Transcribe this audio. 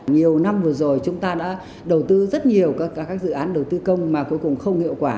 nhiều năm vừa rồi chúng ta đã đầu tư rất nhiều các dự án đầu tư công mà cuối cùng không hiệu quả